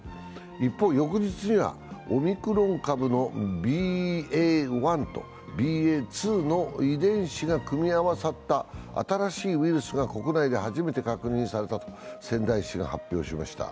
一方、翌日にはオミクロン株のＢＡ．１とＢＡ．２の遺伝子が組み合わさった新しいウイルスが国内で初めて確認されたと仙台市が発表しました。